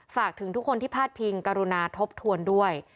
ฝากถึงทุกคนที่พาดพิงกรุณาทบทวนด้วย